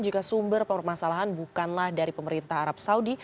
jika sumber permasalahan bukanlah dari pemerintah arab saudi